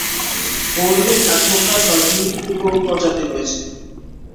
বর্মী কাঠঠোকরা ছয়টি উপ-প্রজাতি রয়েছে।